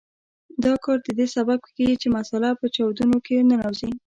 دا کار د دې سبب کیږي چې مساله په چاودونو کې ننوځي.